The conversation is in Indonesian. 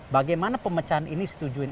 bagaimana pemecahan ini ditujuin